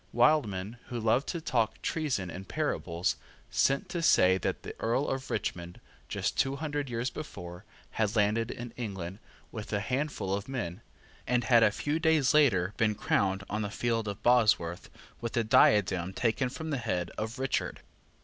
Wildman, who loved to talk treason in parables, sent to say that the Earl of Richmond, just two hundred years before, had landed in England with a handful of men, and had a few days later been crowned, on the field of Bosworth, with the diadem taken from the head of Richard.